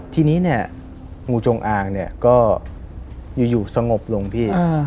ทีนี้นี่นกูจงอางก็อยู่ส่งบลงพี่